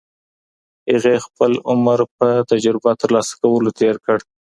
هغې خپل عمر په تجربه ترلاسه کولو تېر کړ.